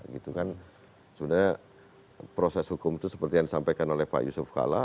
sebenarnya proses hukum itu seperti yang disampaikan oleh pak yusuf kalla